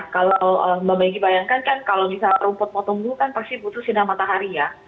kalau mbak meggy bayangkan kan kalau misalnya rumput mau tumbuh kan pasti butuh sinar matahari ya